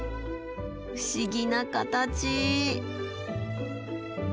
不思議な形。